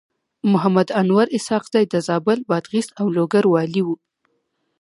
محمد انورخان اسحق زی د زابل، بادغيس او لوګر والي و.